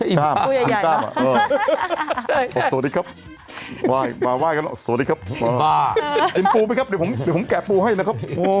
อิ่มบ้าหนูคัมเฟ่งอ่อนจีระ